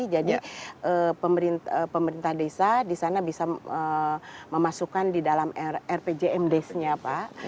jadi pemerintah desa disana bisa memasukkan di dalam rpjmd nya pak